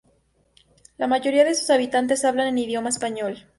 La mayoría de sus habitantes hablan en idioma español.